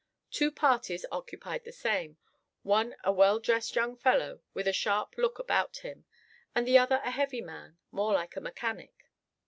Two parties occupied the same, one a well dressed young fellow, with a sharp look about him; and the other a heavy man, more like a mechanic.